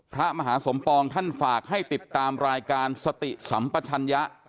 พระมหาสมปองท่านฝากให้ติดตามรายการสติสัมปชัญญะ